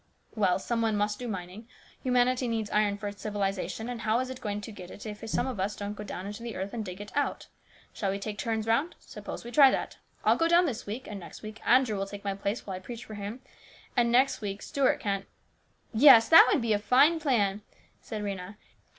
" Well, some one must do mining. Humanity needs iron for its civilisation, and how is it going to get it if some of us don't go down into the earth and dig it out ? Shall we take turns round ? Suppose we try that. I'll go down this week, and next Andrew will take my place while I preach for him, and the next week Stuart can "" Yes, that would be a fine plan," said Rhena.